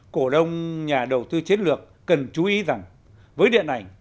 cổ đông nhà đầu tư chiến lược cần chú ý rằng với điện ảnh